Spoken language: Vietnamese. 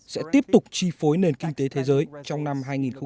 sẽ tiếp tục chi phối nền kinh tế thế giới trong năm hai nghìn hai mươi